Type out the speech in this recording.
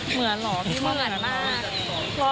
เหมือนเหรอพี่เหมือนมาก